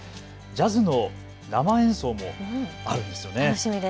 ジャズの生演奏もあるんですよね。